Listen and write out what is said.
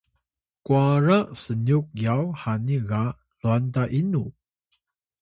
kwara snyuk yaw hani ga lwan ta inu?